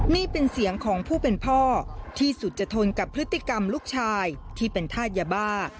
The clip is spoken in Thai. นี่เป็นเสียงของผู้เป็นพ่อที่สุดจะทนกับพฤติกรรมลูกชายที่เป็นธาตุยาบ้า